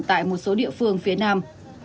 tại một số địa phương phía nam